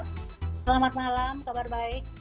selamat malam kabar baik